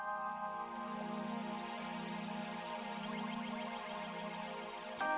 saya akan menanggungmu